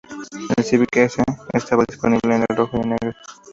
El Civic "S" estaba disponible en Rojo y en Negro.